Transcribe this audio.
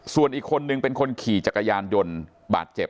ส่วนอีกคนนึงเป็นคนขี่จักรยานยนต์บาดเจ็บ